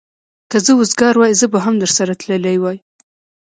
که زه وزګار وای، زه به هم درسره تللی وای.